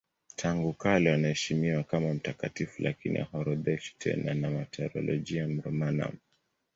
Tangu kale wanaheshimiwa kama mtakatifu lakini haorodheshwi tena na Martyrologium Romanum.